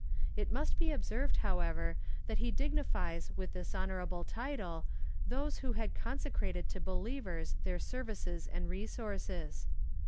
It must be observed, however, that he dignifies with this honourable title those, who had consecrated to believers their services and resources.